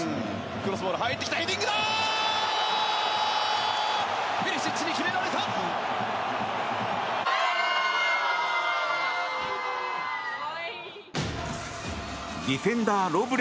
クロスボール入ってきたヘディングだ！